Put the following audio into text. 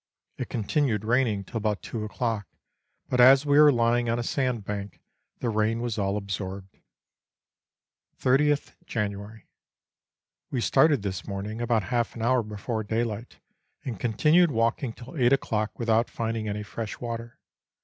It con tinued raining till about two o'clock, but as we were lying on a sand bank, the rain was all absorbed. 30th January. We started this morning about half an hour before daylight and continued walking till eight o'clock without finding any fresh water.